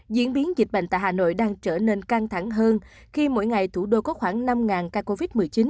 diễn biến dịch bệnh tại hà nội đang trở nên căng thẳng hơn khi mỗi ngày thủ đô có khoảng năm ca covid một mươi chín